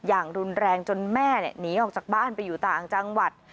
อย่างรุนแรงจนแม่หนีออกจากบ้านไปอยู่ต่างจังหวัด